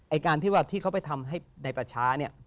ไอ้การที่เขาไปทำให้ในประชาเนี่ย